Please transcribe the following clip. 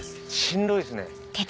しんどいっすね。